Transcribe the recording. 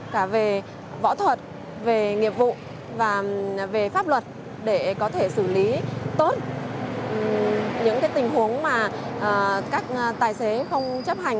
cả về võ thuật về nghiệp vụ và về pháp luật để có thể xử lý tốt những tình huống mà các tài xế không chấp hành